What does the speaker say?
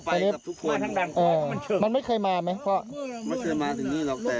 ไปกับทุกคนเออมันไม่เคยมาไหมพ่อไม่เคยมาถึงนี้หรอกแต่